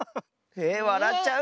えっわらっちゃう？